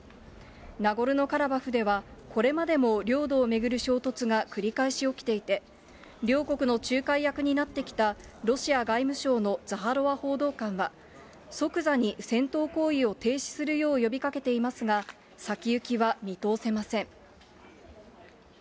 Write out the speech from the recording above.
ナゴルノカラバフでは、これまでも領土を巡る衝突が繰り返し起きていて、両国の仲介役になってきたロシア外務省のザハロワ報道官は、即座に戦闘行為を停止するよう呼びかけていますが、先行きは見通せません。